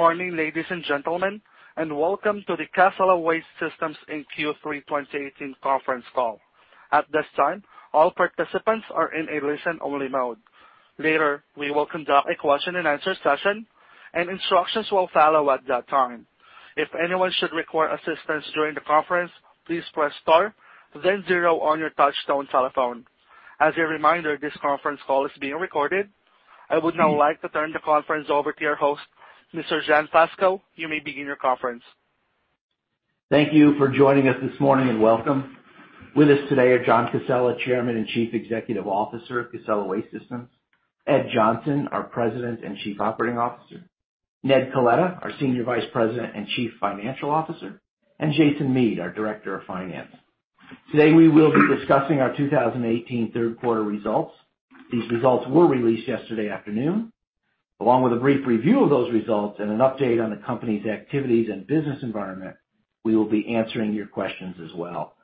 Morning, ladies and gentlemen, and welcome to the Casella Waste Systems in Q3 2018 conference call. At this time, all participants are in a listen-only mode. Later, we will conduct a question and answer session, and instructions will follow at that time. If anyone should require assistance during the conference, please press star, then zero on your touch-tone telephone. As a reminder, this conference call is being recorded. I would now like to turn the conference over to your host, Mr. Joe Fusco. You may begin your conference. Thank you for joining us this morning, and welcome. With us today are John Casella, Chairman and Chief Executive Officer of Casella Waste Systems, Ed Johnson, our President and Chief Operating Officer, Ned Coletta, our Senior Vice President and Chief Financial Officer, and Jason Mead, our Director of Finance. Today, we will be discussing our 2018 third quarter results. These results were released yesterday afternoon. Along with a brief review of those results and an update on the company's activities and business environment, we will be answering your questions as well.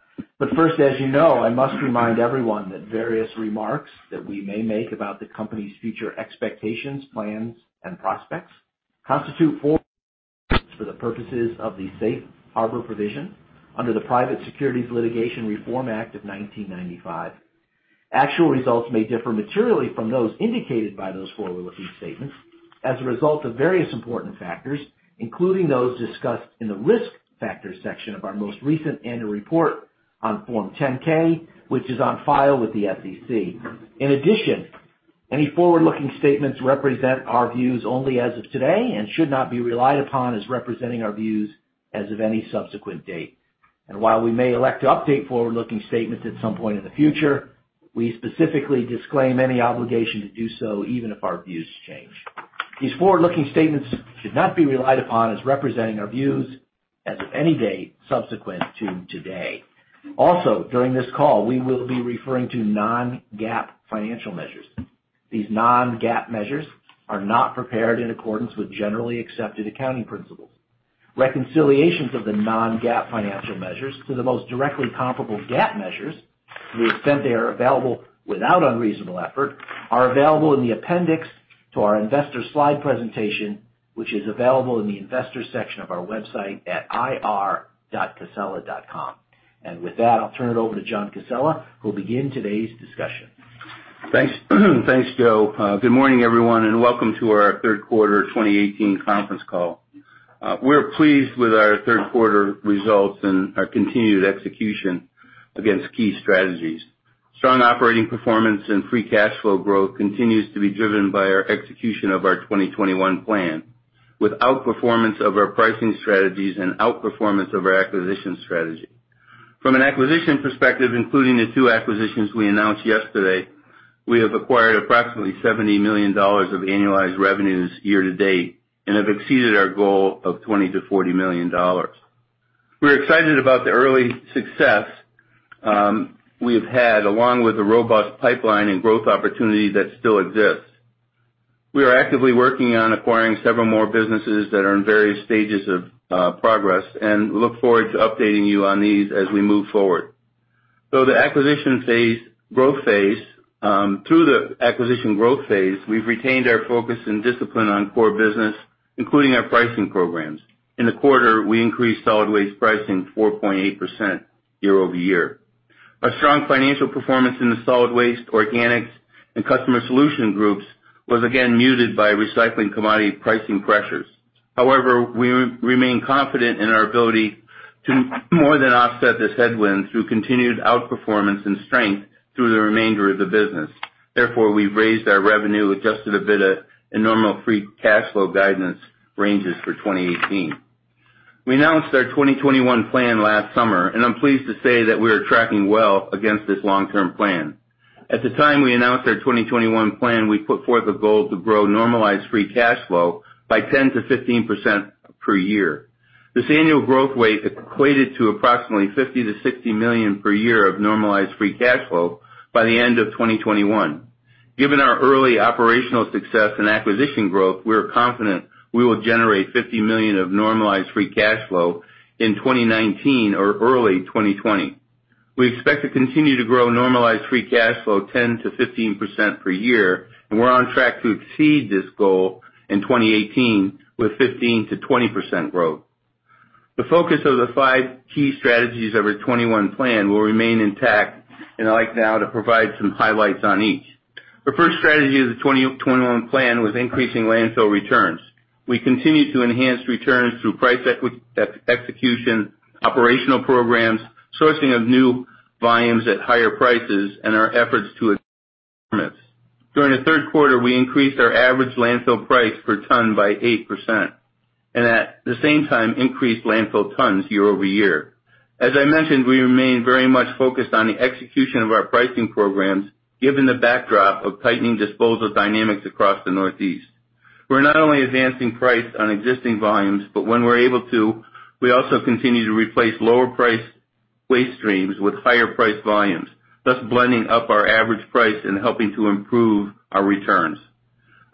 First, as you know, I must remind everyone that various remarks that we may make about the company's future expectations, plans, and prospects constitute forward-looking statements for the purposes of the Safe Harbor provision under the Private Securities Litigation Reform Act of 1995. Actual results may differ materially from those indicated by those forward-looking statements as a result of various important factors, including those discussed in the risk factors section of our most recent annual report on Form 10-K, which is on file with the SEC. In addition, any forward-looking statements represent our views only as of today and should not be relied upon as representing our views as of any subsequent date. While we may elect to update forward-looking statements at some point in the future, we specifically disclaim any obligation to do so even if our views change. These forward-looking statements should not be relied upon as representing our views as of any date subsequent to today. Also, during this call, we will be referring to non-GAAP financial measures. These non-GAAP measures are not prepared in accordance with Generally Accepted Accounting Principles. Reconciliations of the non-GAAP financial measures to the most directly comparable GAAP measures, to the extent they are available without unreasonable effort, are available in the appendix to our investor slide presentation, which is available in the investors section of our website at ir.casella.com. With that, I'll turn it over to John Casella, who'll begin today's discussion. Thanks. Thanks, Joe. Good morning, everyone, and welcome to our third quarter 2018 conference call. We're pleased with our third quarter results and our continued execution against key strategies. Strong operating performance and free cash flow growth continues to be driven by our execution of our 2021 Plan, with outperformance of our pricing strategies and outperformance of our acquisition strategy. From an acquisition perspective, including the 2 acquisitions we announced yesterday, we have acquired approximately $70 million of annualized revenues year-to-date and have exceeded our goal of $20 million-$40 million. We're excited about the early success we have had along with the robust pipeline and growth opportunity that still exists. We are actively working on acquiring several more businesses that are in various stages of progress and look forward to updating you on these as we move forward. Through the acquisition growth phase, we've retained our focus and discipline on core business, including our pricing programs. In the quarter, we increased solid waste pricing 4.8% year-over-year. Our strong financial performance in the solid waste, organics, and customer solution groups was again muted by recycling commodity pricing pressures. However, we remain confident in our ability to more than offset this headwind through continued outperformance and strength through the remainder of the business. Therefore, we've raised our revenue, adjusted EBITDA, and normalized free cash flow guidance ranges for 2018. We announced our 2021 Plan last summer, and I'm pleased to say that we are tracking well against this long-term Plan. At the time we announced our 2021 Plan, we put forth a goal to grow normalized free cash flow by 10%-15% per year. This annual growth rate equated to approximately $50 million-$60 million per year of normalized free cash flow by the end of 2021. Given our early operational success and acquisition growth, we are confident we will generate $50 million of normalized free cash flow in 2019 or early 2020. We expect to continue to grow normalized free cash flow 10%-15% per year, and we're on track to exceed this goal in 2018 with 15%-20% growth. The focus of the 5 key strategies of our '21 Plan will remain intact, and I'd like now to provide some highlights on each. The first strategy of the 2021 Plan was increasing landfill returns. We continue to enhance returns through price execution, operational programs, sourcing of new volumes at higher prices, and our efforts to. During the third quarter, we increased our average landfill price per ton by 8%, and at the same time increased landfill tons year-over-year. As I mentioned, we remain very much focused on the execution of our pricing programs, given the backdrop of tightening disposal dynamics across the Northeast. We're not only advancing price on existing volumes, but when we're able to, we also continue to replace lower priced waste streams with higher priced volumes, thus blending up our average price and helping to improve our returns.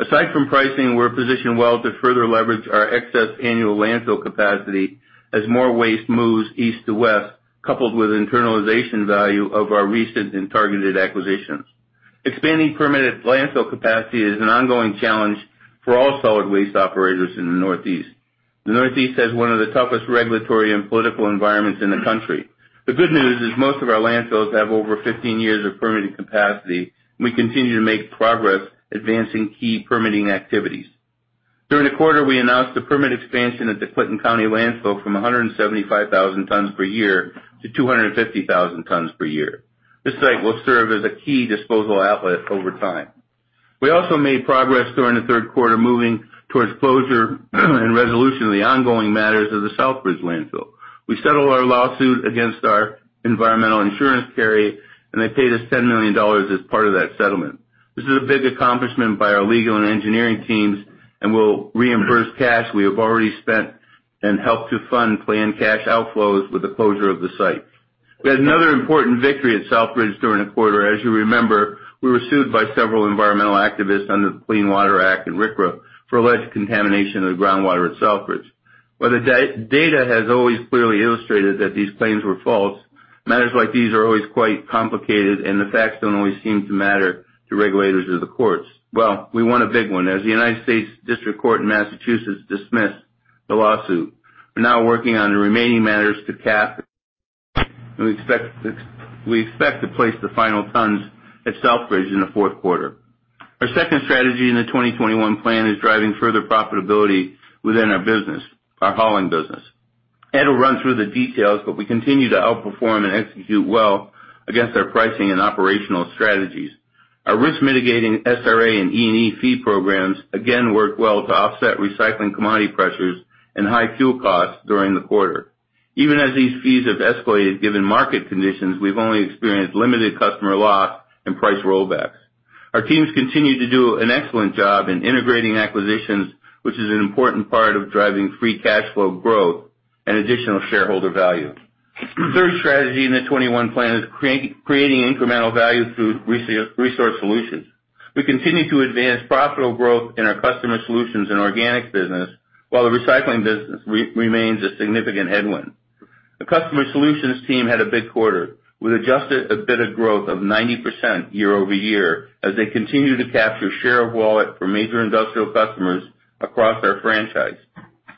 Aside from pricing, we're positioned well to further leverage our excess annual landfill capacity as more waste moves east to west, coupled with internalization value of our recent and targeted acquisitions. Expanding permitted landfill capacity is an ongoing challenge for all solid waste operators in the Northeast. The Northeast has one of the toughest regulatory and political environments in the country. The good news is most of our landfills have over 15 years of permitted capacity. We continue to make progress advancing key permitting activities. During the quarter, we announced the permit expansion of the Clinton County Landfill from 175,000 tons per year to 250,000 tons per year. This site will serve as a key disposal outlet over time. We also made progress during the third quarter moving towards closure and resolution of the ongoing matters of the Southbridge Landfill. We settled our lawsuit against our environmental insurance carrier. They paid us $10 million as part of that settlement. This is a big accomplishment by our legal and engineering teams, and will reimburse cash we have already spent and help to fund planned cash outflows with the closure of the site. We had another important victory at Southbridge during the quarter. As you remember, we were sued by several environmental activists under the Clean Water Act and RCRA for alleged contamination of the groundwater at Southbridge. While the data has always clearly illustrated that these claims were false, matters like these are always quite complicated. The facts don't always seem to matter to regulators or the courts. Well, we won a big one, as the United States District Court in Massachusetts dismissed the lawsuit. We're now working on the remaining matters to cap. We expect to place the final tons at Southbridge in the fourth quarter. Our second strategy in the 2021 Plan is driving further profitability within our business, our hauling business. Ed will run through the details. We continue to outperform and execute well against our pricing and operational strategies. Our risk mitigating SRA and E&E fee programs again work well to offset recycling commodity pressures and high fuel costs during the quarter. Even as these fees have escalated, given market conditions, we've only experienced limited customer loss and price rollbacks. Our teams continue to do an excellent job in integrating acquisitions, which is an important part of driving free cash flow growth and additional shareholder value. Third strategy in the '21 Plan is creating incremental value through resource solutions. We continue to advance profitable growth in our customer solutions and organics business, while the recycling business remains a significant headwind. The customer solutions team had a big quarter, with adjusted EBITDA growth of 90% year-over-year, as they continue to capture share of wallet for major industrial customers across our franchise.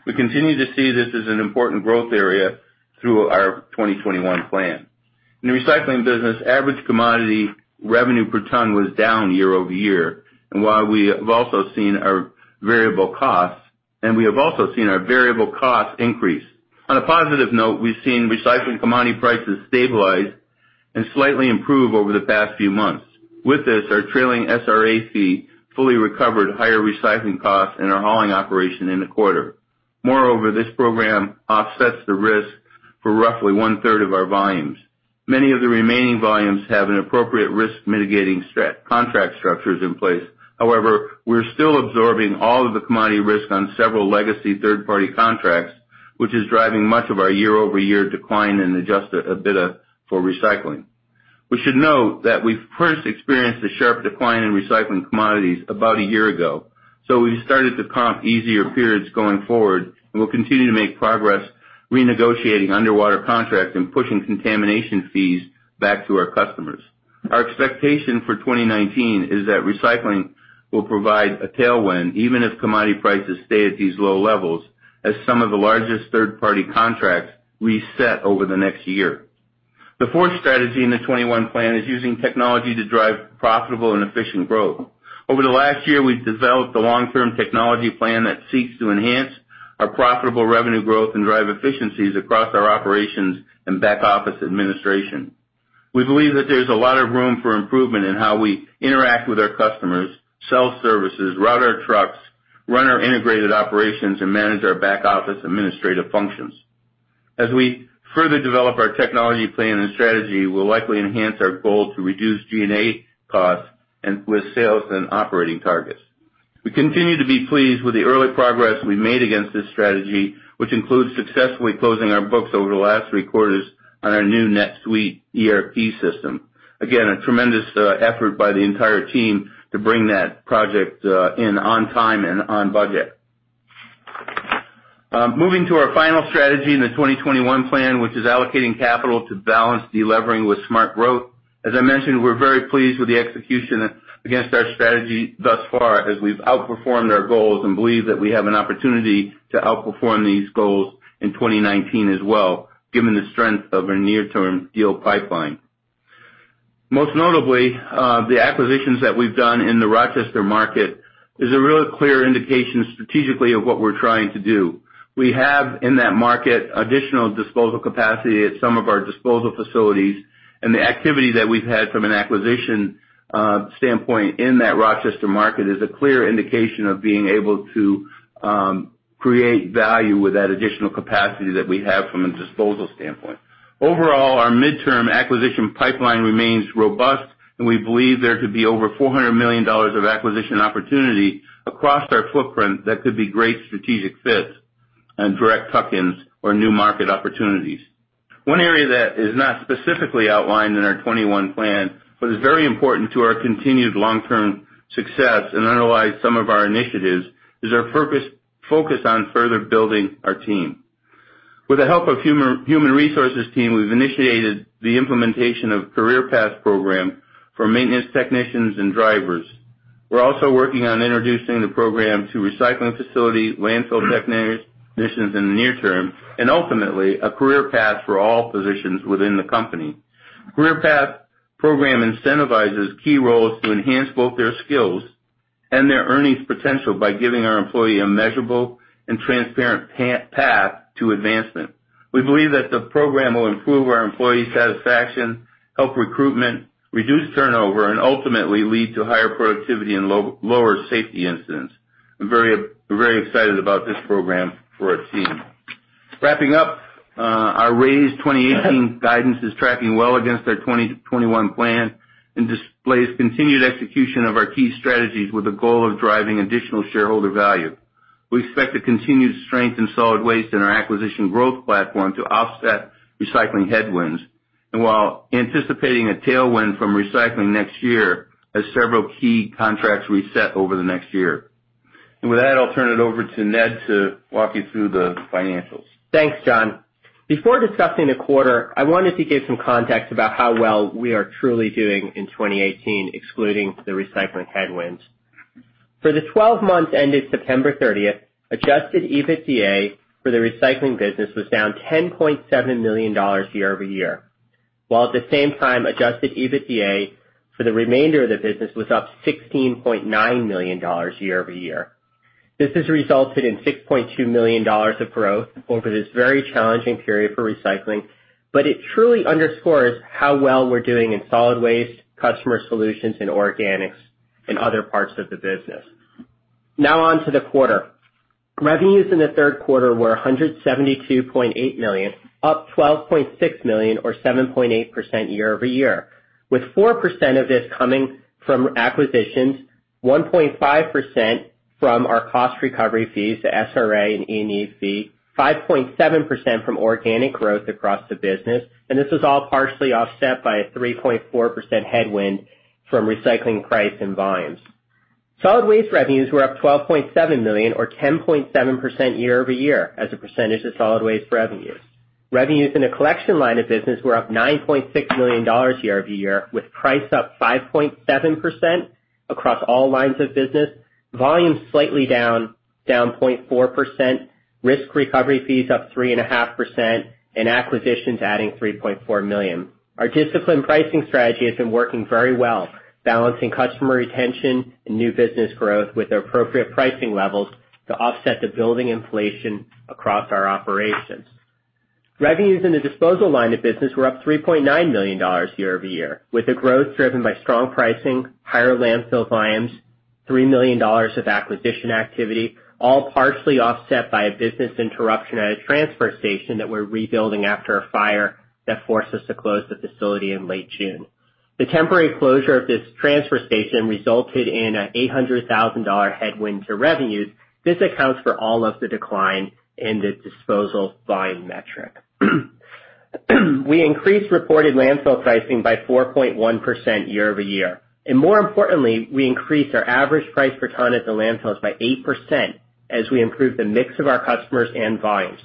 We continue to see this as an important growth area through our 2021 Plan. In the recycling business, average commodity revenue per ton was down year-over-year, while we have also seen our variable costs increase. On a positive note, we've seen recycling commodity prices stabilize and slightly improve over the past few months. With this, our trailing SRA fee fully recovered higher recycling costs in our hauling operation in the quarter. Moreover, this program offsets the risk for roughly one-third of our volumes. Many of the remaining volumes have an appropriate risk mitigating contract structures in place. However, we're still absorbing all of the commodity risk on several legacy third-party contracts, which is driving much of our year-over-year decline in adjusted EBITDA for recycling. We should note that we first experienced the sharp decline in recycling commodities about a year ago, so we started to comp easier periods going forward, and we'll continue to make progress renegotiating underwater contracts and pushing contamination fees back to our customers. Our expectation for 2019 is that recycling will provide a tailwind, even if commodity prices stay at these low levels, as some of the largest third-party contracts reset over the next year. The fourth strategy in the 2021 Plan is using technology to drive profitable and efficient growth. Over the last year, we've developed a long-term technology plan that seeks to enhance our profitable revenue growth and drive efficiencies across our operations and back office administration. We believe that there's a lot of room for improvement in how we interact with our customers, sell services, route our trucks, run our integrated operations, and manage our back office administrative functions. As we further develop our technology plan and strategy, we'll likely enhance our goal to reduce G&A costs and with sales and operating targets. We continue to be pleased with the early progress we've made against this strategy, which includes successfully closing our books over the last three quarters on our new NetSuite ERP system. Again, a tremendous effort by the entire team to bring that project in on time and on budget. Moving to our final strategy in the 2021 Plan, which is allocating capital to balance de-levering with smart growth. As I mentioned, we're very pleased with the execution against our strategy thus far, as we've outperformed our goals and believe that we have an opportunity to outperform these goals in 2019 as well, given the strength of our near-term deal pipeline. Most notably, the acquisitions that we've done in the Rochester market is a real clear indication strategically of what we're trying to do. We have, in that market, additional disposal capacity at some of our disposal facilities, and the activity that we've had from an acquisition standpoint in that Rochester market is a clear indication of being able to create value with that additional capacity that we have from a disposal standpoint. Overall, our midterm acquisition pipeline remains robust, and we believe there could be over $400 million of acquisition opportunity across our footprint that could be great strategic fits and direct tuck-ins or new market opportunities. One area that is not specifically outlined in our 2021 Plan, but is very important to our continued long-term success and underlies some of our initiatives, is our focus on further building our team. With the help of human resources team, we've initiated the implementation of Career Path Program for maintenance technicians and drivers. We're also working on introducing the program to recycling facility, landfill technicians in the near term, and ultimately, a career path for all positions within the company. Career Path Program incentivizes key roles to enhance both their skills and their earnings potential by giving our employee a measurable and transparent path to advancement. We believe that the program will improve our employee satisfaction, help recruitment, reduce turnover, and ultimately lead to higher productivity and lower safety incidents. I'm very excited about this program for our team. Wrapping up, our Raise 2018 guidance is tracking well against our 2021 Plan and displays continued execution of our key strategies with the goal of driving additional shareholder value. We expect to continue to strengthen solid waste in our acquisition growth platform to offset recycling headwinds, while anticipating a tailwind from recycling next year as several key contracts reset over the next year. With that, I'll turn it over to Ned to walk you through the financials. Thanks, John. Before discussing the quarter, I wanted to give some context about how well we are truly doing in 2018, excluding the recycling headwinds. For the 12 months ended September 30th, adjusted EBITDA for the recycling business was down $10.7 million year-over-year, while at the same time, adjusted EBITDA for the remainder of the business was up $16.9 million year-over-year. This has resulted in $6.2 million of growth over this very challenging period for recycling, but it truly underscores how well we're doing in solid waste, customer solutions, and organics in other parts of the business. Now on to the quarter. Revenues in the third quarter were $172.8 million, up $12.6 million or 7.8% year-over-year, with 4% of this coming from acquisitions, 1.5% from our cost recovery fees, the SRA and E&E fee, 5.7% from organic growth across the business, this was all partially offset by a 3.4% headwind from recycling price and volumes. Solid waste revenues were up $12.7 million or 10.7% year-over-year as a percentage of solid waste revenues. Revenues in the collection line of business were up $9.6 million year-over-year, with price up 5.7% across all lines of business, volumes slightly down 0.4%, cost recovery fees up 3.5%, acquisitions adding $3.4 million. Our disciplined pricing strategy has been working very well, balancing customer retention and new business growth with the appropriate pricing levels to offset the building inflation across our operations. Revenues in the disposal line of business were up $3.9 million year-over-year, with the growth driven by strong pricing, higher landfill volumes, $3 million of acquisition activity, all partially offset by a business interruption at a transfer station that we're rebuilding after a fire that forced us to close the facility in late June. The temporary closure of this transfer station resulted in an $800,000 headwind to revenues. This accounts for all of the decline in the disposal volume metric. We increased reported landfill pricing by 4.1% year-over-year, more importantly, we increased our average price per ton at the landfills by 8% as we improved the mix of our customers and volumes.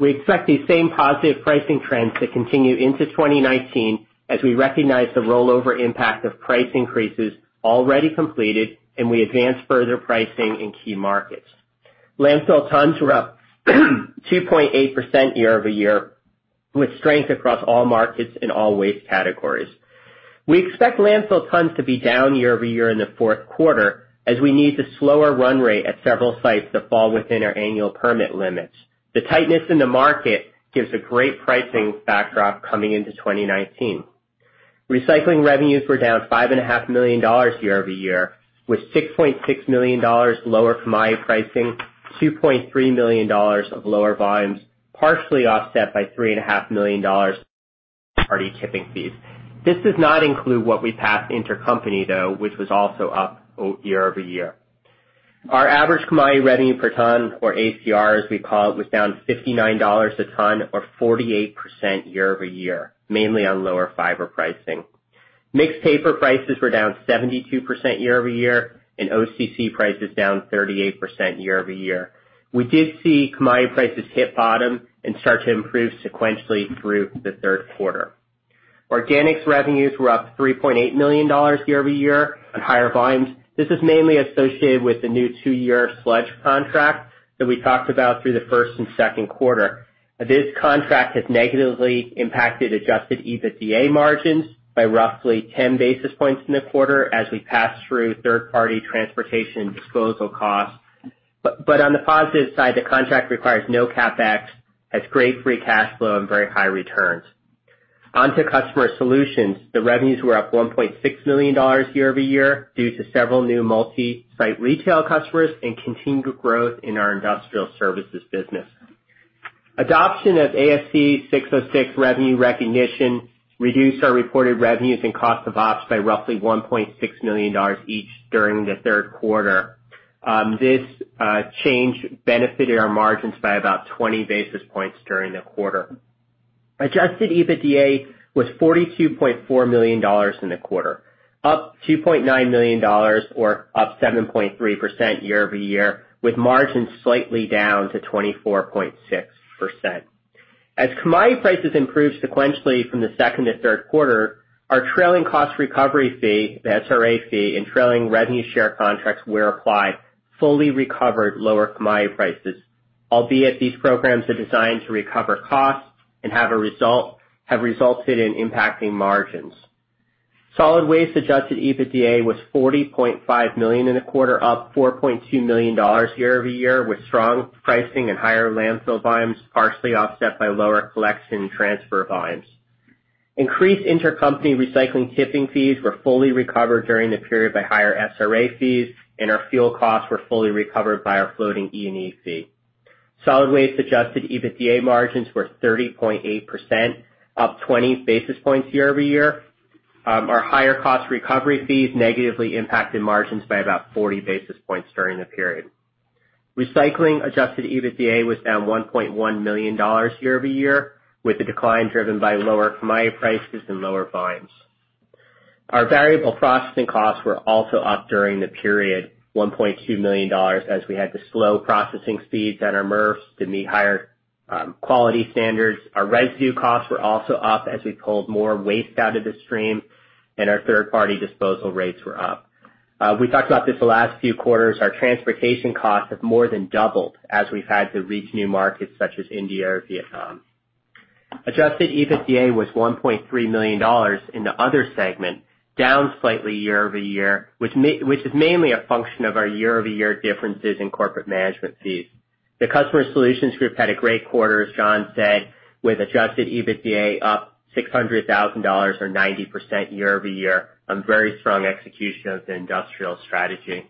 We expect these same positive pricing trends to continue into 2019 as we recognize the rollover impact of price increases already completed, we advance further pricing in key markets. Landfill tons were up 2.8% year-over-year, with strength across all markets in all waste categories. We expect landfill tons to be down year-over-year in the fourth quarter as we need to slow our run rate at several sites that fall within our annual permit limits. The tightness in the market gives a great pricing backdrop coming into 2019. Recycling revenues were down $5.5 million year-over-year, with $6.6 million lower from my pricing, $2.3 million of lower volumes, partially offset by $3.5 million third-party tipping fees. This does not include what we passed intercompany though, which was also up year-over-year. Our average commodity revenue per ton, or ACR as we call it, was down $59 a ton or 48% year-over-year, mainly on lower fiber pricing. Mixed paper prices were down 72% year-over-year. OCC prices down 38% year-over-year. We did see commodity prices hit bottom and start to improve sequentially through the third quarter. Organics revenues were up $3.8 million year-over-year on higher volumes. This is mainly associated with the new two-year sludge contract that we talked about through the first and second quarter. This contract has negatively impacted adjusted EBITDA margins by roughly 10 basis points in the quarter as we pass through third-party transportation disposal costs. On the positive side, the contract requires no CapEx, has great free cash flow, and very high returns. On to customer solutions. The revenues were up $1.6 million year-over-year due to several new multi-site retail customers and continued growth in our industrial services business. Adoption of ASC 606 revenue recognition reduced our reported revenues and cost of ops by roughly $1.6 million each during the third quarter. This change benefited our margins by about 20 basis points during the quarter. Adjusted EBITDA was $42.4 million in the quarter, up $2.9 million or up 7.3% year-over-year, with margins slightly down to 24.6%. As commodity prices improved sequentially from the second to third quarter, our trailing cost recovery fee, the SRA fee, and trailing revenue share contracts were applied, fully recovered lower commodity prices, albeit these programs are designed to recover costs and have resulted in impacting margins. Solid waste adjusted EBITDA was $40.5 million in the quarter, up $4.2 million year-over-year, with strong pricing and higher landfill volumes partially offset by lower collection transfer volumes. Increased intercompany recycling tipping fees were fully recovered during the period by higher SRA fees. Our fuel costs were fully recovered by our floating E&E fee. Solid waste adjusted EBITDA margins were 30.8%, up 20 basis points year-over-year. Our higher cost recovery fees negatively impacted margins by about 40 basis points during the period. Recycling adjusted EBITDA was down $1.1 million year-over-year, with the decline driven by lower commodity prices and lower volumes. Our variable processing costs were also up during the period, $1.2 million, as we had to slow processing speeds at our MRFs to meet higher quality standards. Our residue costs were also up as we pulled more waste out of the stream. Our third-party disposal rates were up. We talked about this the last few quarters. Our transportation costs have more than doubled as we've had to reach new markets such as India or Vietnam. Adjusted EBITDA was $1.3 million in the other segment, down slightly year-over-year, which is mainly a function of our year-over-year differences in corporate management fees. The customer solutions group had a great quarter, as John said, with adjusted EBITDA up $600,000 or 90% year-over-year on very strong execution of the industrial strategy.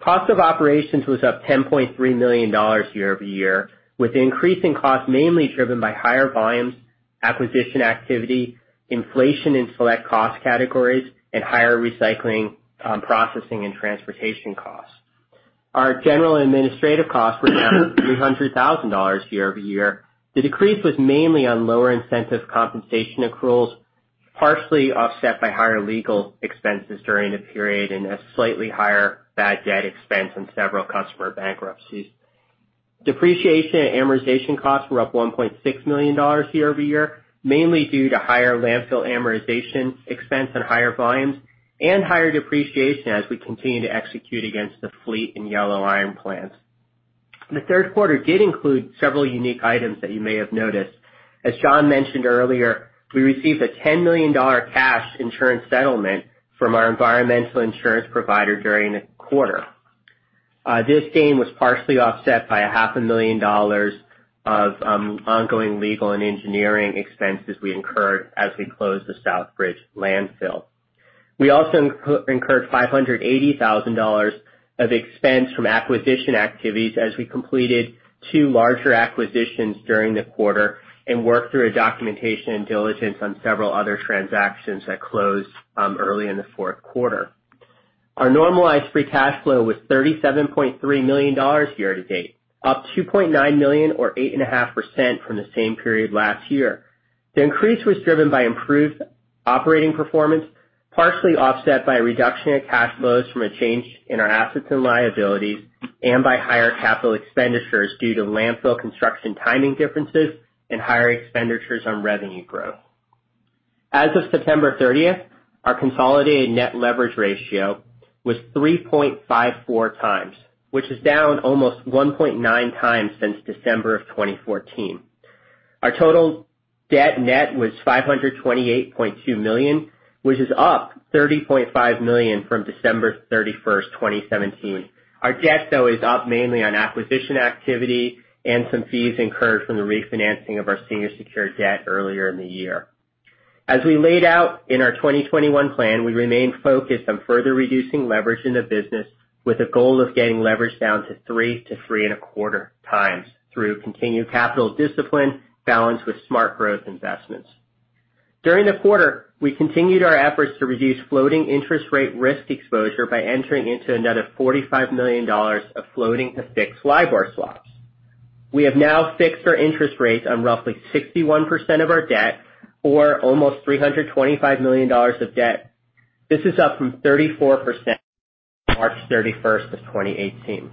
Cost of operations was up $10.3 million year-over-year, with increasing costs mainly driven by higher volumes, acquisition activity, inflation in select cost categories, and higher recycling, processing, and transportation costs. Our general and administrative costs were down $300,000 year-over-year. The decrease was mainly on lower incentive compensation accruals, partially offset by higher legal expenses during the period and a slightly higher bad debt expense on several customer bankruptcies. Depreciation and amortization costs were up $1.6 million year-over-year, mainly due to higher landfill amortization expense and higher volumes and higher depreciation as we continue to execute against the fleet and yellow iron plans. The third quarter did include several unique items that you may have noticed. As John mentioned earlier, we received a $10 million cash insurance settlement from our environmental insurance provider during the quarter. This gain was partially offset by a half a million dollars of ongoing legal and engineering expenses we incurred as we closed the Southbridge Landfill. We also incurred $580,000 of expense from acquisition activities as we completed two larger acquisitions during the quarter and worked through a documentation and diligence on several other transactions that closed early in the fourth quarter. Our normalized free cash flow was $37.3 million year-to-date, up $2.9 million or 8.5% from the same period last year. The increase was driven by improved operating performance, partially offset by a reduction in cash flows from a change in our assets and liabilities and by higher capital expenditures due to landfill construction timing differences and higher expenditures on revenue growth. As of September 30th, our consolidated net leverage ratio was 3.54 times, which is down almost 1.9 times since December of 2014. Our total debt net was $528.2 million, which is up $30.5 million from December 31st, 2017. Our debt, though, is up mainly on acquisition activity and some fees incurred from the refinancing of our senior secured debt earlier in the year. As we laid out in our 2021 Plan, we remain focused on further reducing leverage in the business with a goal of getting leverage down to three to three and a quarter times through continued capital discipline balanced with smart growth investments. During the quarter, we continued our efforts to reduce floating interest rate risk exposure by entering into another $45 million of floating to fixed LIBOR swaps. We have now fixed our interest rates on roughly 61% of our debt or almost $325 million of debt. This is up from 34% March 31st of 2018.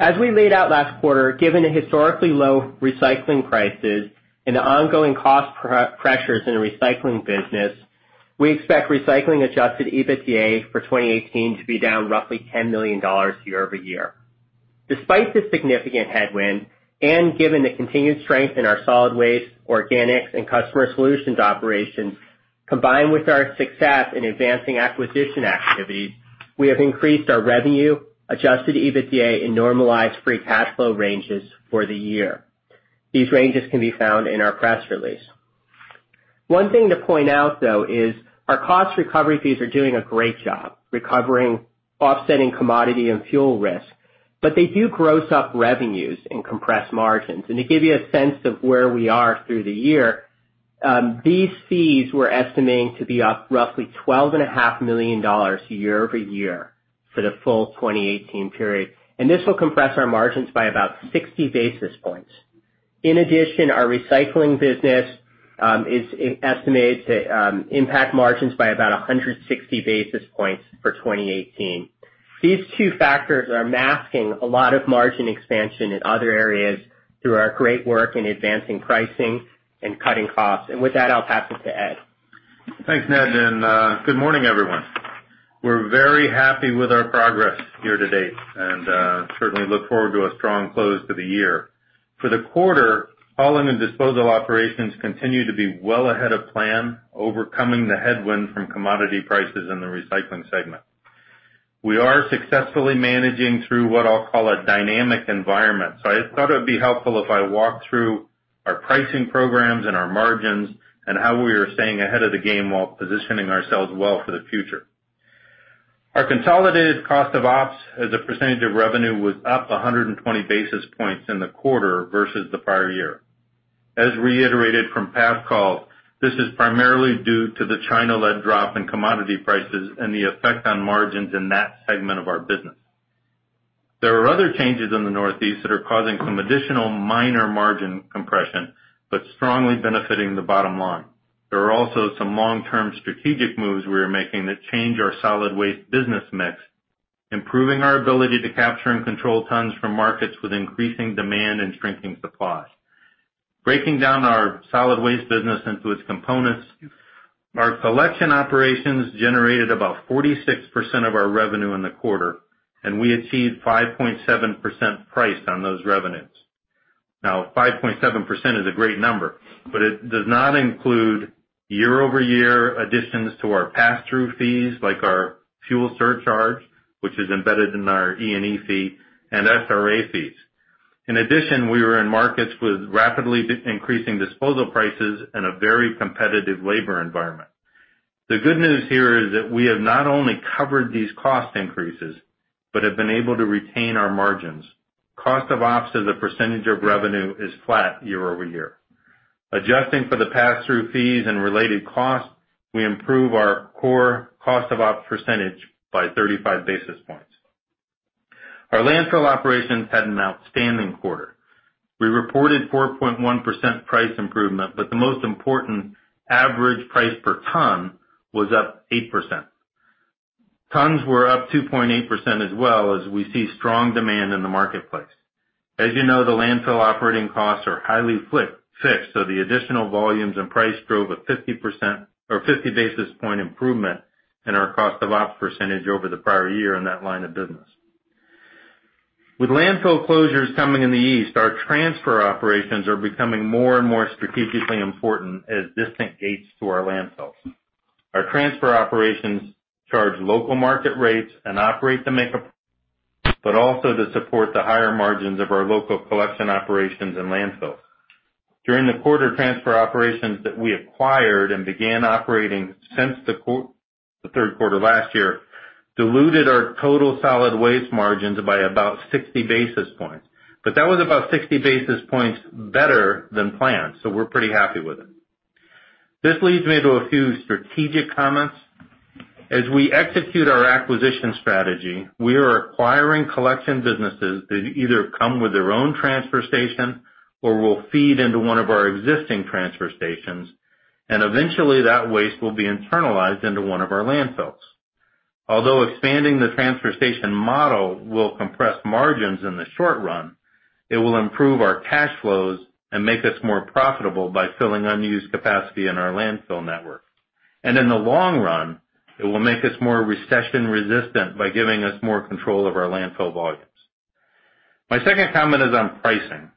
As we laid out last quarter, given the historically low recycling prices and the ongoing cost pressures in the recycling business, we expect recycling-adjusted EBITDA for 2018 to be down roughly $10 million year-over-year. Given the continued strength in our solid waste, organics, and customer solutions operations, combined with our success in advancing acquisition activities, we have increased our revenue, adjusted EBITDA and normalized free cash flow ranges for the year. These ranges can be found in our press release. One thing to point out, though, is our cost recovery fees are doing a great job recovering offsetting commodity and fuel risk, but they do gross up revenues and compress margins. To give you a sense of where we are through the year, these fees we're estimating to be up roughly $12.5 million year-over-year for the full 2018 period, and this will compress our margins by about 60 basis points. In addition, our recycling business is estimated to impact margins by about 160 basis points for 2018. These two factors are masking a lot of margin expansion in other areas through our great work in advancing pricing and cutting costs. With that, I'll pass it to Ed. Thanks, Ned, good morning, everyone. We're very happy with our progress year to date and certainly look forward to a strong close to the year. For the quarter, hauling and disposal operations continue to be well ahead of plan, overcoming the headwind from commodity prices in the recycling segment. We are successfully managing through what I'll call a dynamic environment. I thought it would be helpful if I walk through our pricing programs and our margins and how we are staying ahead of the game while positioning ourselves well for the future. Our consolidated cost of ops as a percentage of revenue was up 120 basis points in the quarter versus the prior year. As reiterated from past calls, this is primarily due to the China-led drop in commodity prices and the effect on margins in that segment of our business. There are other changes in the Northeast that are causing some additional minor margin compression, but strongly benefiting the bottom line. There are also some long-term strategic moves we are making that change our solid waste business mix, improving our ability to capture and control tons from markets with increasing demand and shrinking supply. Breaking down our solid waste business into its components, our collection operations generated about 46% of our revenue in the quarter. We achieved 5.7% price on those revenues. 5.7% is a great number, but it does not include year-over-year additions to our pass-through fees like our fuel surcharge, which is embedded in our E&E fee and SRA fees. In addition, we were in markets with rapidly increasing disposal prices and a very competitive labor environment. The good news here is that we have not only covered these cost increases but have been able to retain our margins. Cost of ops as a percentage of revenue is flat year-over-year. Adjusting for the pass-through fees and related costs, we improve our core cost of ops percentage by 35 basis points. Our landfill operations had an outstanding quarter. We reported 4.1% price improvement, but the most important average price per ton was up 8%. Tons were up 2.8% as well as we see strong demand in the marketplace. As you know, the landfill operating costs are highly fixed, the additional volumes and price drove a 50 basis point improvement in our cost of ops percentage over the prior year in that line of business. With landfill closures coming in the east, our transfer operations are becoming more and more strategically important as distinct gates to our landfills. Our transfer operations charge local market rates and operate to make but also to support the higher margins of our local collection operations and landfills. During the quarter, transfer operations that we acquired and began operating since the third quarter last year diluted our total solid waste margins by about 60 basis points. That was about 60 basis points better than planned, we're pretty happy with it. This leads me to a few strategic comments. As we execute our acquisition strategy, we are acquiring collection businesses that either come with their own transfer station or will feed into one of our existing transfer stations, and eventually that waste will be internalized into one of our landfills. Although expanding the transfer station model will compress margins in the short run, it will improve our cash flows and make us more profitable by filling unused capacity in our landfill network. In the long run, it will make us more recession-resistant by giving us more control of our landfill volumes. My second comment is on pricing.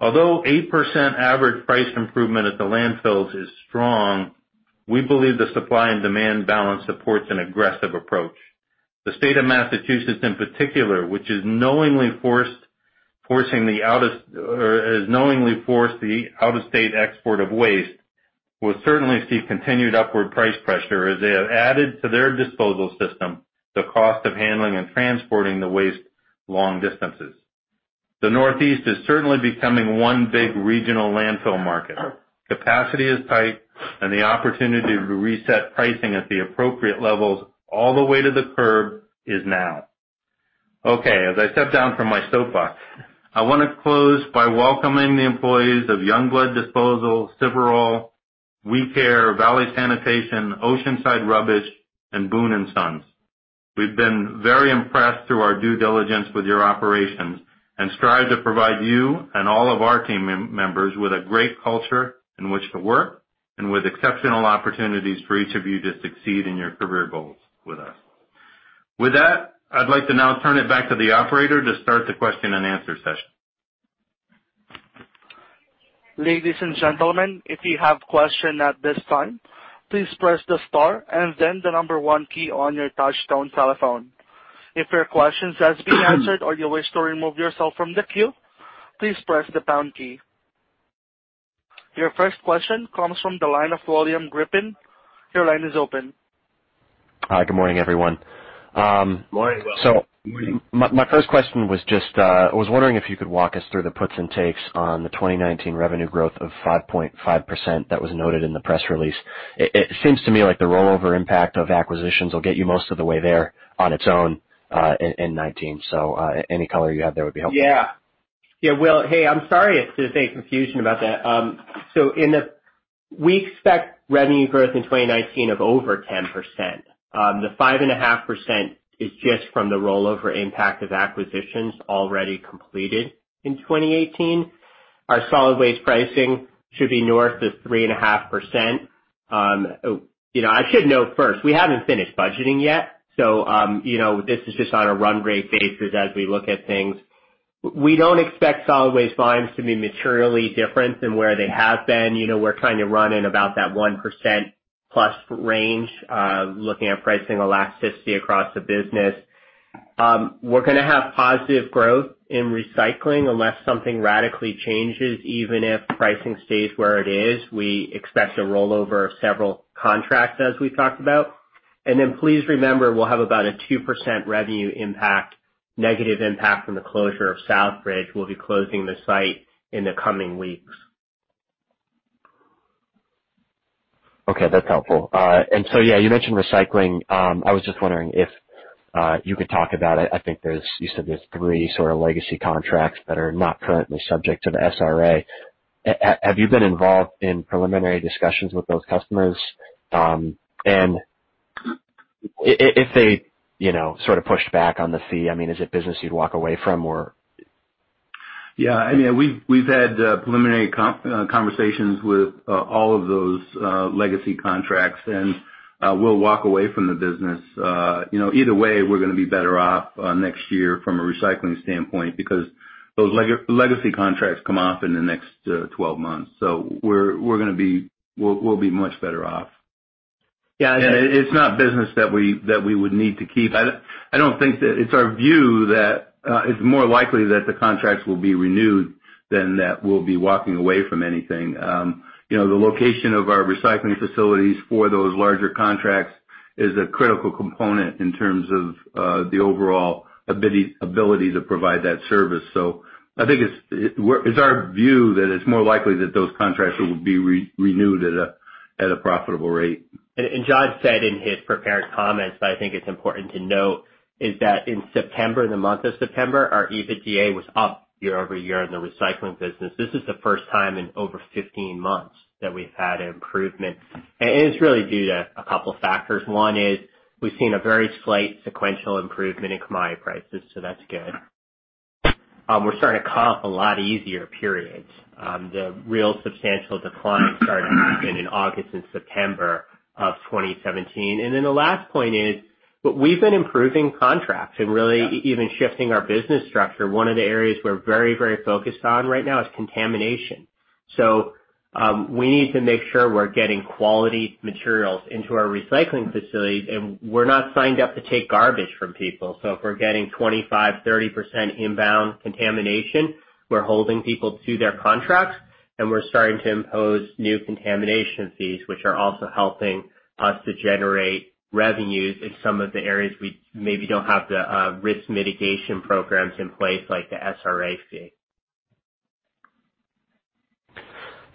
Although 8% average price improvement at the landfills is strong, we believe the supply and demand balance supports an aggressive approach. The state of Massachusetts in particular, which has knowingly forced the out-of-state export of waste, will certainly see continued upward price pressure as they have added to their disposal system the cost of handling and transporting the waste long distances. The Northeast is certainly becoming one big regional landfill market. Capacity is tight and the opportunity to reset pricing at the appropriate levels all the way to the curb is now. As I step down from my soapbox, I want to close by welcoming the employees of Youngblood Disposal, Silvarole, WeCare, Valley Sanitation, Oceanside Rubbish, and Boon & Sons. We've been very impressed through our due diligence with your operations and strive to provide you and all of our team members with a great culture in which to work and with exceptional opportunities for each of you to succeed in your career goals with us. With that, I'd like to now turn it back to the operator to start the question and answer session. Ladies and gentlemen, if you have a question at this time, please press the star and then the number one key on your touchtone telephone. If your question has been answered or you wish to remove yourself from the queue, please press the pound key. Your first question comes from the line of William Griffin. Your line is open. Hi. Good morning, everyone. Morning, Will. My first question was just, I was wondering if you could walk us through the puts and takes on the 2019 revenue growth of 5.5% that was noted in the press release. It seems to me like the rollover impact of acquisitions will get you most of the way there on its own, in 2019. Any color you have there would be helpful. Yeah, Will, hey, I'm sorry if there's any confusion about that. We expect revenue growth in 2019 of over 10%. The 5.5% is just from the rollover impact of acquisitions already completed in 2018. Our solid waste pricing should be north of 3.5%. I should note first, we haven't finished budgeting yet, so this is just on a run rate basis as we look at things. We don't expect solid waste volumes to be materially different than where they have been. We're trying to run in about that 1% plus range, looking at pricing elasticity across the business. We're going to have positive growth in recycling unless something radically changes, even if pricing stays where it is. We expect a rollover of several contracts, as we've talked about. Please remember, we'll have about a 2% revenue impact, negative impact from the closure of Southbridge. We'll be closing the site in the coming weeks. Okay, that's helpful. Yeah, you mentioned recycling. I was just wondering if you could talk about it. I think you said there's three sort of legacy contracts that are not currently subject to the SRA. Have you been involved in preliminary discussions with those customers? If they sort of pushed back on the fee, is it business you'd walk away from, or? Yeah. I mean, we've had preliminary conversations with all of those legacy contracts and we'll walk away from the business. Either way, we're going to be better off next year from a recycling standpoint because those legacy contracts come off in the next 12 months. We'll be much better off. Yeah. It's not business that we would need to keep. It's our view that it's more likely that the contracts will be renewed than that we'll be walking away from anything. The location of our recycling facilities for those larger contracts is a critical component in terms of the overall ability to provide that service. I think it's our view that it's more likely that those contracts will be renewed at a profitable rate. John said in his prepared comments, but I think it's important to note, is that in September, the month of September, our EBITDA was up year-over-year in the recycling business. This is the first time in over 15 months that we've had an improvement. It's really due to a couple factors. One is we've seen a very slight sequential improvement in commodity prices, that's good. We're starting to comp a lot easier periods. The real substantial decline started in August and September of 2017. The last point is we've been improving contracts and really even shifting our business structure. One of the areas we're very focused on right now is contamination. We need to make sure we're getting quality materials into our recycling facilities, and we're not signed up to take garbage from people. If we're getting 25%, 30% inbound contamination, we're holding people to their contracts and we're starting to impose new contamination fees, which are also helping us to generate revenues in some of the areas we maybe don't have the risk mitigation programs in place, like the SRA fee.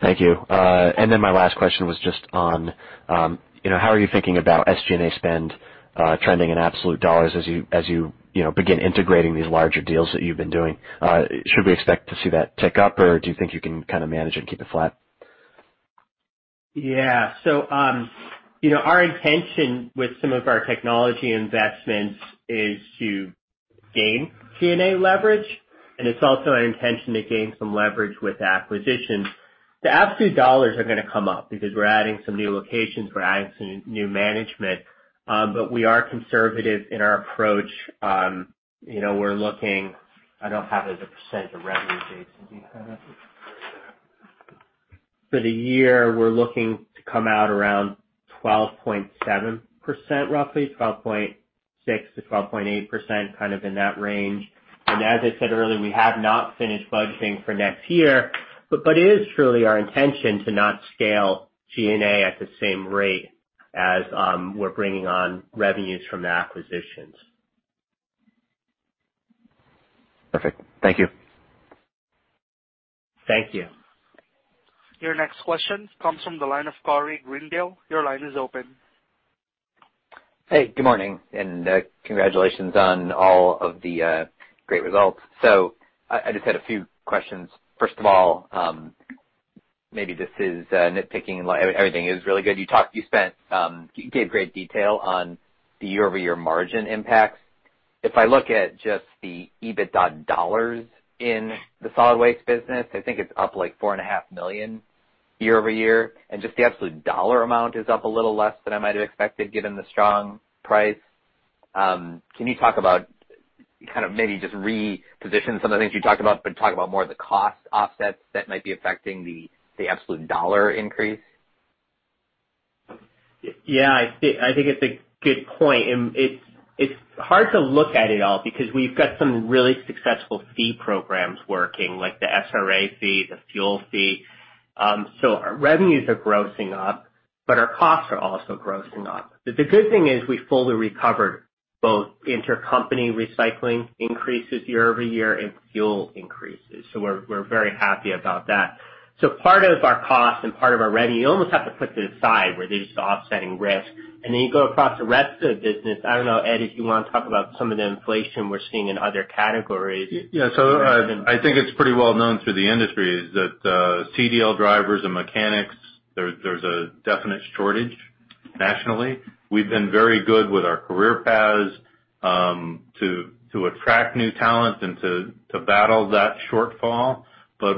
Thank you. My last question was just on how are you thinking about SG&A spend trending in absolute dollars as you begin integrating these larger deals that you've been doing? Should we expect to see that tick up, or do you think you can kind of manage and keep it flat? Yeah. Our intention with some of our technology investments is to gain G&A leverage, it's also our intention to gain some leverage with acquisitions. The absolute dollars are going to come up because we're adding some new locations, we're adding some new management. We are conservative in our approach. We're looking I don't have it as a percent of revenue, Jason. Do you have it? For the year, we're looking to come out around 12.7%, roughly 12.6%-12.8%, kind of in that range. As I said earlier, we have not finished budgeting for next year. It is truly our intention to not scale G&A at the same rate as we're bringing on revenues from the acquisitions. Perfect. Thank you. Thank you. Your next question comes from the line of Tyler Brown. Your line is open. Hey, good morning and congratulations on all of the great results. I just had a few questions. First of all, maybe this is nitpicking. Everything is really good. You gave great detail on the year-over-year margin impacts. If I look at just the EBITDA dollars in the solid waste business, I think it's up like $4.5 million year-over-year, and just the absolute dollar amount is up a little less than I might have expected given the strong price. Can you talk about, kind of maybe just reposition some of the things you talked about, but talk about more of the cost offsets that might be affecting the absolute dollar increase? Yeah, I think it's a good point. It's hard to look at it all because we've got some really successful fee programs working, like the SRA fee, the fuel fee. Our revenues are grossing up. Our costs are also grossing up. The good thing is we fully recovered both intercompany recycling increases year-over-year and fuel increases. We're very happy about that. Part of our cost and part of our revenue, you almost have to put to the side where they're just offsetting risk. You go across the rest of the business. I don't know, Ed, if you want to talk about some of the inflation we're seeing in other categories. Yeah. I think it's pretty well known through the industry is that CDL drivers and mechanics, there's a definite shortage nationally. We've been very good with our career paths, to attract new talent and to battle that shortfall.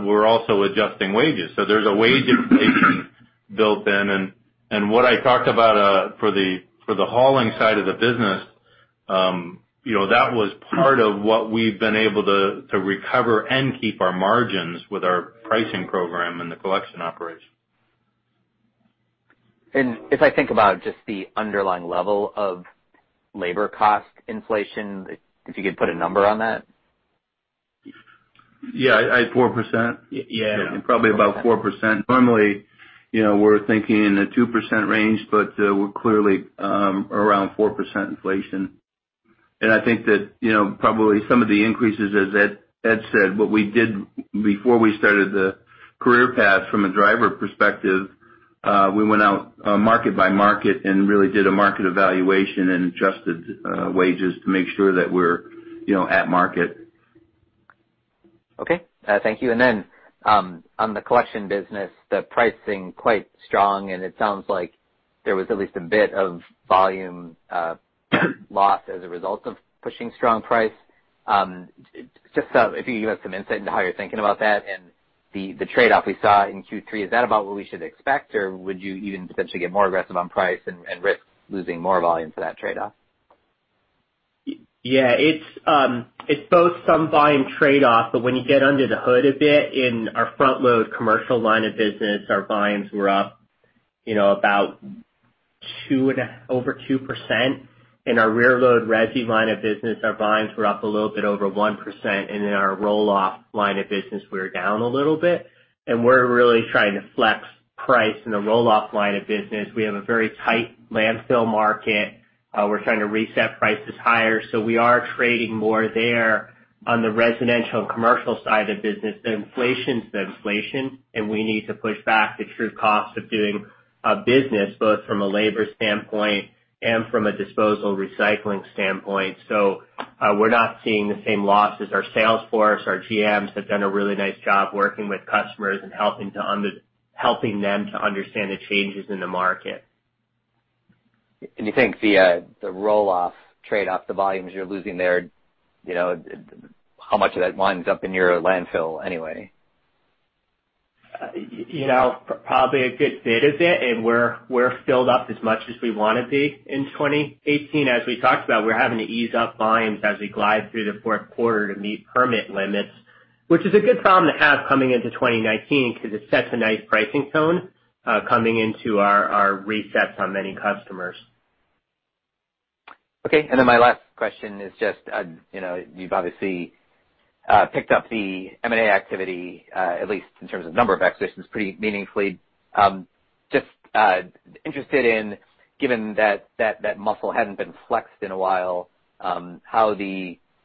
We're also adjusting wages. There's a wage inflation built in. What I talked about, for the hauling side of the business, that was part of what we've been able to recover and keep our margins with our pricing program and the collection operation. If I think about just the underlying level of labor cost inflation, if you could put a number on that. Yeah. 4%. Yeah. Probably about 4%. Normally, we're thinking in the 2% range, but we're clearly around 4% inflation. I think that probably some of the increases, as Ed said, what we did before we started the career path from a driver perspective, we went out market by market and really did a market evaluation and adjusted wages to make sure that we're at market. Okay. Thank you. On the collection business, the pricing quite strong, and it sounds like there was at least a bit of volume loss as a result of pushing strong price. Just if you have some insight into how you're thinking about that and the trade-off we saw in Q3, is that about what we should expect, or would you even potentially get more aggressive on price and risk losing more volume to that trade-off? Yeah. It's both some volume trade-off, but when you get under the hood a bit in our front load commercial line of business, our volumes were up about over 2%. In our rear load resi line of business, our volumes were up a little bit over 1%, and then our roll-off line of business, we were down a little bit. We're really trying to flex price in the roll-off line of business. We have a very tight landfill market. We're trying to reset prices higher. We are trading more there. On the residential and commercial side of business, the inflation's the inflation, and we need to push back the true cost of doing business, both from a labor standpoint and from a disposal recycling standpoint. We're not seeing the same losses. Our sales force, our GMs, have done a really nice job working with customers and helping them to understand the changes in the market. You think the roll-off trade-off, the volumes you're losing there, how much of that winds up in your landfill anyway? Probably a good bit of it, and we're filled up as much as we want to be in 2018. As we talked about, we're having to ease up volumes as we glide through the fourth quarter to meet permit limits, which is a good problem to have coming into 2019 because it sets a nice pricing tone, coming into our resets on many customers. Okay. My last question is just, you've obviously picked up the M&A activity, at least in terms of number of acquisitions, pretty meaningfully. Just interested in, given that that muscle hadn't been flexed in a while, I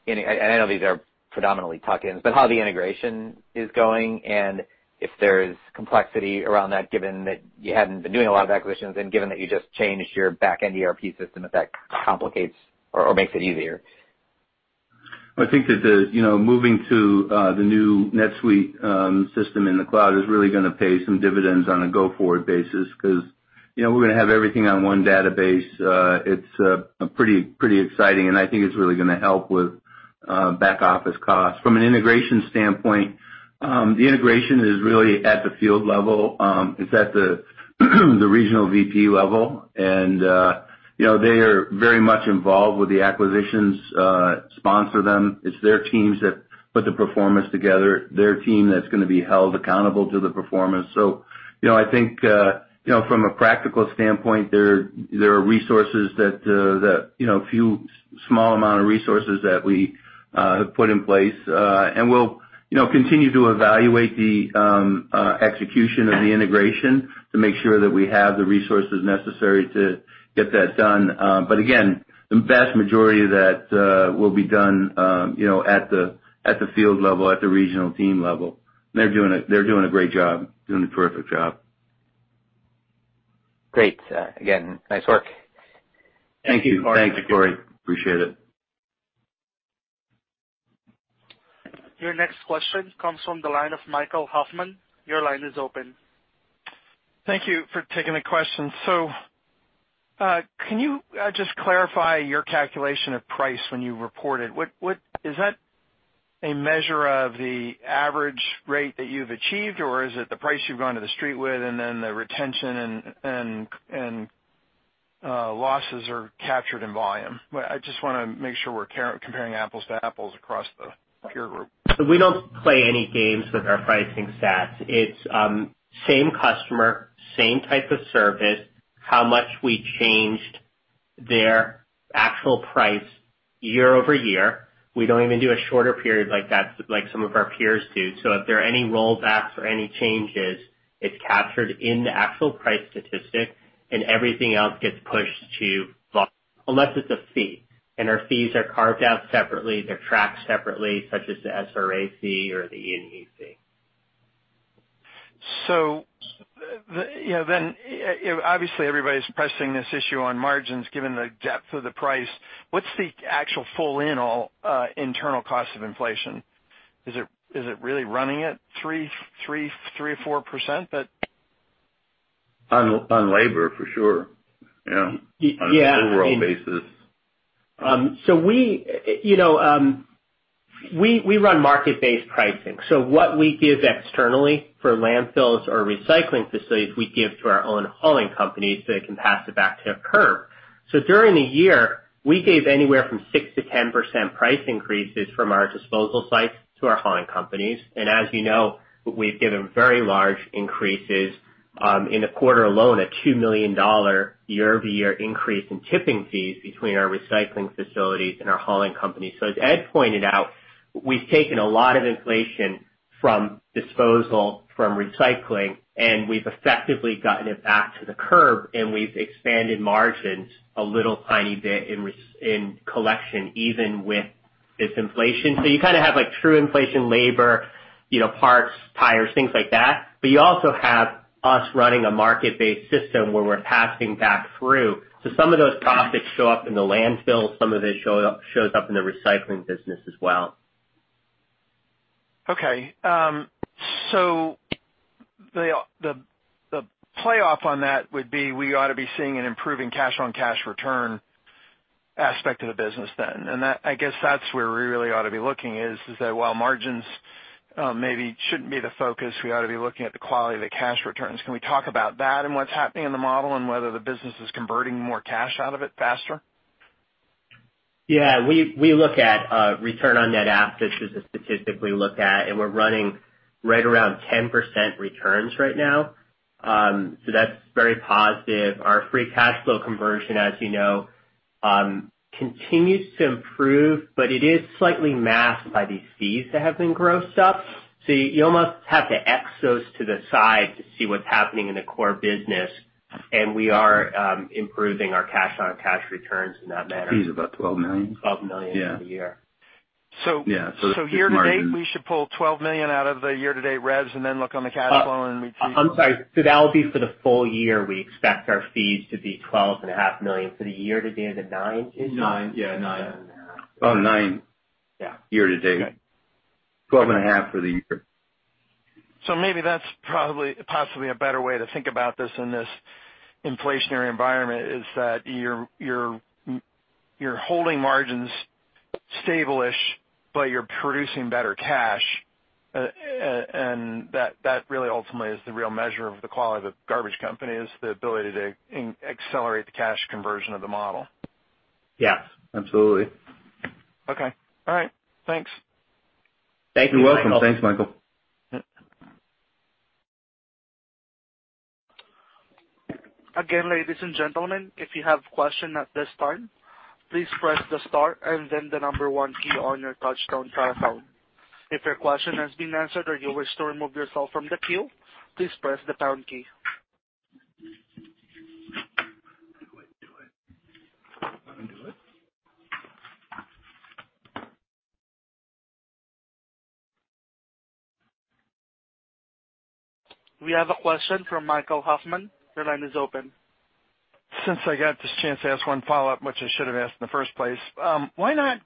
know these are predominantly tuck-ins, but how the integration is going and if there's complexity around that, given that you hadn't been doing a lot of acquisitions and given that you just changed your back-end ERP system, if that complicates or makes it easier. I think that, moving to the new NetSuite system in the cloud is really going to pay some dividends on a go-forward basis because we're going to have everything on one database. It's pretty exciting, and I think it's really going to help with back-office costs. From an integration standpoint, the integration is really at the field level. It's at the regional VP level. They are very much involved with the acquisitions, sponsor them. It's their teams that put the performance together, their team that's going to be held accountable to the performance. I think, from a practical standpoint, a few small amount of resources that we have put in place. We'll continue to evaluate the execution of the integration to make sure that we have the resources necessary to get that done. Again, the vast majority of that will be done at the field level, at the regional team level. They're doing a great job, doing a terrific job. Great. Again, nice work. Thank you. Thanks, Tyler. Appreciate it. Your next question comes from the line of Michael Hoffman. Your line is open. Thank you for taking the question. Can you just clarify your calculation of price when you report it? Is that a measure of the average rate that you've achieved, or is it the price you've gone to the street with, and then the retention and losses are captured in volume? I just want to make sure we're comparing apples to apples across the peer group. We don't play any games with our pricing stats. It's same customer, same type of service, how much we changed their actual price year-over-year, we don't even do a shorter period like that, like some of our peers do. If there are any rollbacks or any changes, it's captured in the actual price statistic and everything else gets pushed to volume. Unless it's a fee, and our fees are carved out separately, they're tracked separately, such as the SRA fee or the E&E. Obviously everybody's pressing this issue on margins given the depth of the price. What's the actual full internal cost of inflation? Is it really running at 3% or 4%? On labor, for sure. Yeah. On an overall basis. We run market-based pricing. What we give externally for landfills or recycling facilities, we give to our own hauling companies so they can pass it back to their curb. During the year, we gave anywhere from 6%-10% price increases from our disposal sites to our hauling companies. As you know, we've given very large increases, in a quarter alone, a $2 million year-over-year increase in tipping fees between our recycling facilities and our hauling companies. As Ed pointed out, we've taken a lot of inflation from disposal, from recycling, and we've effectively gotten it back to the curb and we've expanded margins a little tiny bit in collection even with this inflation. You kind of have true inflation, labor, parts, tires, things like that, but you also have us running a market-based system where we're passing back through. Some of those costs show up in the landfill. Some of it shows up in the recycling business as well. Okay. The play-off on that would be, we ought to be seeing an improving cash-on-cash return aspect of the business then. I guess that's where we really ought to be looking is that while margins maybe shouldn't be the focus, we ought to be looking at the quality of the cash returns. Can we talk about that and what's happening in the model and whether the business is converting more cash out of it faster? Yeah. We look at Return on Net Assets is statistically looked at, and we're running right around 10% returns right now. That's very positive. Our free cash flow conversion, as you know, continues to improve, but it is slightly masked by these fees that have been grossed up. You almost have to X those to the side to see what's happening in the core business. We are improving our cash-on-cash returns in that manner. Fee is about $12 million. $12 million for the year. Yeah. Year-to-date, we should pull $12 million out of the year-to-date revs and then look on the cash flow. I'm sorry. That would be for the full year, we expect our fees to be $12.5 million for the year-to-date is it nine? Nine. Yeah, nine. About nine year-to-date. 12.5 for the year. Maybe that's possibly a better way to think about this in this inflationary environment, is that you're holding margins stable-ish, but you're producing better cash. That really ultimately is the real measure of the quality of a garbage company, is the ability to accelerate the cash conversion of the model. Yes. Absolutely. Okay. All right. Thanks. Thank you, Michael. You're welcome. Thanks, Michael. Again, ladies and gentlemen, if you have question at this time, please press the star and then the number one key on your touchtone telephone. If your question has been answered or you wish to remove yourself from the queue, please press the pound key. We have a question from Michael Hoffman. Your line is open. Since I got this chance to ask one follow-up, which I should have asked in the first place, why not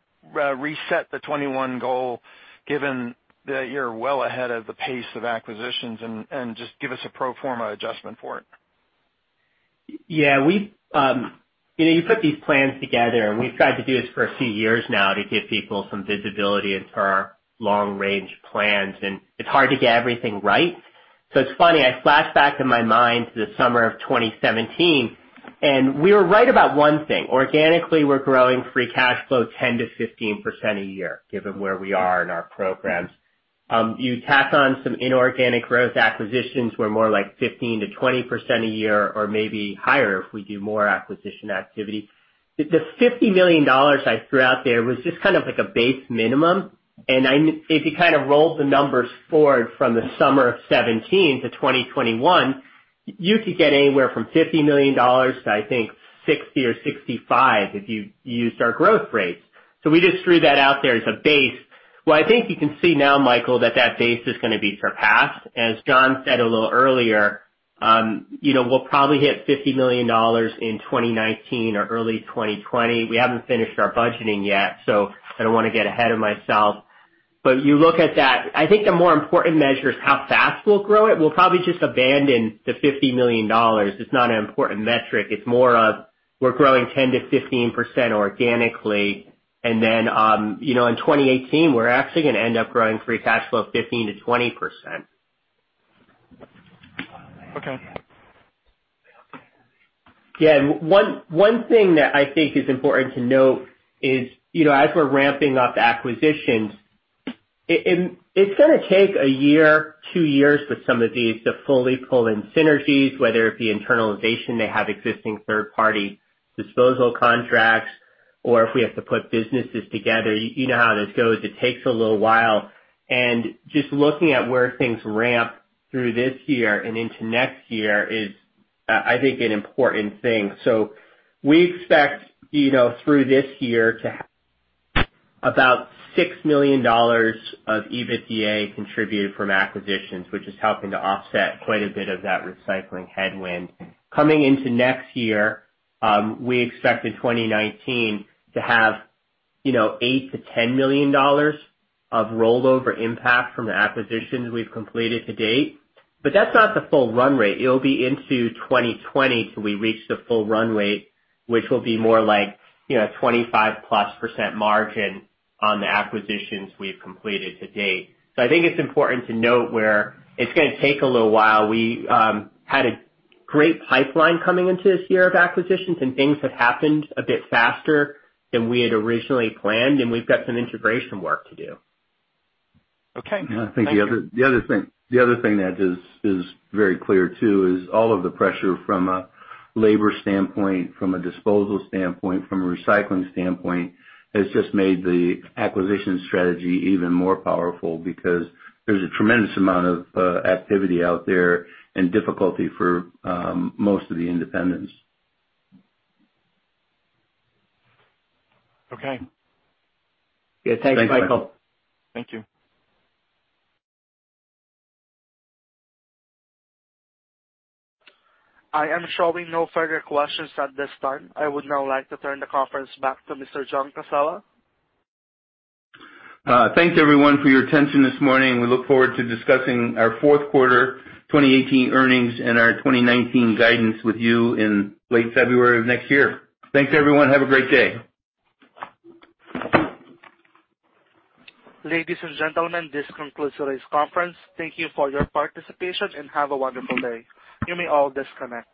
reset the 2021 goal given that you're well ahead of the pace of acquisitions and just give us a pro forma adjustment for it? You put these plans together, we've tried to do this for a few years now to give people some visibility into our long-range plans, it's hard to get everything right. It's funny, I flash back in my mind to the summer of 2017, we were right about one thing. Organically, we're growing free cash flow 10%-15% a year, given where we are in our programs. You tack on some inorganic growth acquisitions were more like 15%-20% a year or maybe higher if we do more acquisition activity. The $50 million I threw out there was just kind of like a base minimum, if you rolled the numbers forward from the summer of 2017 to 2021, you could get anywhere from $50 million to, I think, $60 million or $65 million if you used our growth rates. We just threw that out there as a base. I think you can see now, Michael, that that base is going to be surpassed. As John said a little earlier, we'll probably hit $50 million in 2019 or early 2020. We haven't finished our budgeting yet, I don't want to get ahead of myself. You look at that. I think the more important measure is how fast we'll grow it. We'll probably just abandon the $50 million. It's not an important metric. It's more of we're growing 10%-15% organically, in 2018, we're actually going to end up growing free cash flow 15%-20%. Okay. One thing that I think is important to note is as we're ramping up acquisitions. It's going to take one year, two years with some of these to fully pull in synergies, whether it be internalization, they have existing third-party disposal contracts, or if we have to put businesses together. You know how this goes. It takes a little while. Just looking at where things ramp through this year and into next year is, I think, an important thing. We expect through this year to about $6 million of EBITDA contributed from acquisitions, which is helping to offset quite a bit of that recycling headwind. Coming into next year, we expect in 2019 to have $8 million-$10 million of rollover impact from the acquisitions we've completed to date. That's not the full run rate. It'll be into 2020 till we reach the full run rate, which will be more like 25%+ margin on the acquisitions we've completed to date. I think it's important to note where it's going to take a little while. We had a great pipeline coming into this year of acquisitions, things have happened a bit faster than we had originally planned, we've got some integration work to do. Okay. Thank you. I think the other thing that is very clear too, is all of the pressure from a labor standpoint, from a disposal standpoint, from a recycling standpoint, has just made the acquisition strategy even more powerful because there's a tremendous amount of activity out there and difficulty for most of the independents. Okay. Yeah. Thanks, Michael. Thank you. I am showing no further questions at this time. I would now like to turn the conference back to Mr. John Casella. Thanks everyone for your attention this morning. We look forward to discussing our fourth quarter 2018 earnings and our 2019 guidance with you in late February of next year. Thanks everyone. Have a great day. Ladies and gentlemen, this concludes today's conference. Thank you for your participation, and have a wonderful day. You may all disconnect.